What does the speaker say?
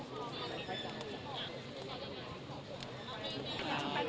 ขอบคุณครับ